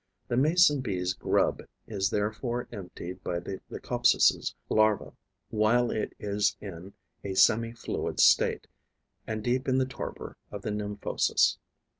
The Mason bee's grub is therefore emptied by the Leucopsis' larva while it is in a semifluid state and deep in the torpor of the nymphosis.